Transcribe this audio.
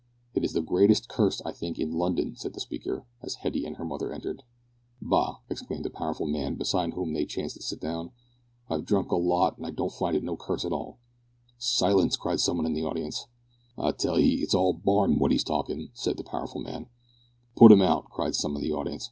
"It is the greatest curse, I think, in London," said the speaker, as Hetty and her mother entered. "Bah!" exclaimed a powerful man beside whom they chanced to sit down. "I've drank a lot on't an' don't find it no curse, at all." "Silence," cried some in the audience. "I tell 'ee it's all barn wot 'e's talkin'," said the powerful man. "Put 'im out," cried some of the audience.